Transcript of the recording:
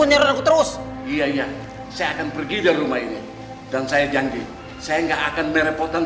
menyerang aku terus iya saya akan pergi dari rumah ini dan saya janji saya enggak akan merepotkan